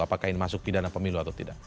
apakah ini masuk di dana pemilu atau tidak